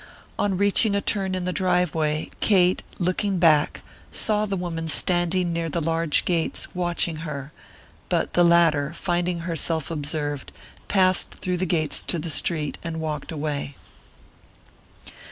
On reaching a turn in the driveway Kate, looking back, saw the woman standing near the large gates watching her, but the latter, finding herself observed, passed through the gates to the street and walked away.